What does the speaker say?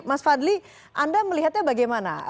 mas fadli anda melihatnya bagaimana